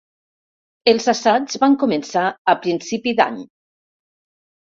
Els assaigs van començar a principi d’any.